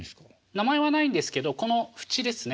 名前はないんですけどこの縁ですね